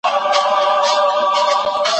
په سوسیالستي هیوادونو کي تګلارې دود دي.